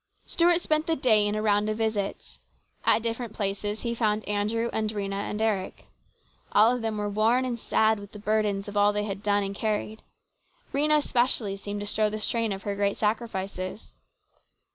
Stuart spent the day in a round of visits. At different places he found Andrew and Rhena and Eric. All of them were worn and sad with the burdens of all they had done and carried. Rhena, especially, seemed to show the strain of her great sacrifices.